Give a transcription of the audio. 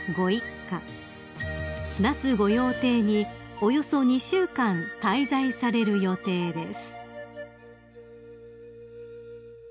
［那須御用邸におよそ２週間滞在される予定です］